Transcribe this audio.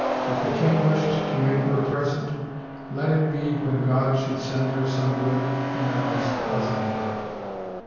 If the king wished to make her a present let it be when God should send her some good and honest husband."